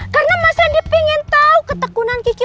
karena mas randy pingin tau ketekunan kiki